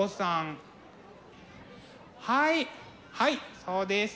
はいはいそうです。